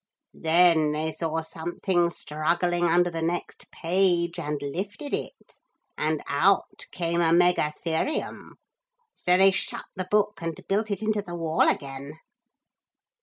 Then they saw something struggling under the next page and lifted it, and out came a megatherium. So they shut the book and built it into the wall again.'